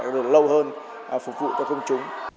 được lâu hơn phục vụ cho công chúng